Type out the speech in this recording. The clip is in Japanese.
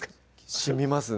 しみますね